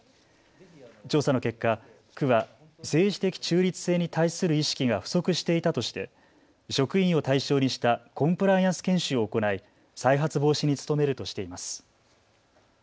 調査の結果、区は政治的中立性に対する意識が不足していたとして職員を対象にしたコンプライアンス研修を行い再発防止に努めるとしています。